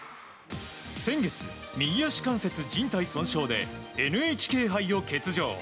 先月、右足関節じん帯損傷でＮＨＫ杯を欠場。